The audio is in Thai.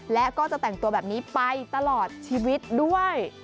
และก็จะแต่งตัวแบบนี้ไปตลอดชีวิตด้วย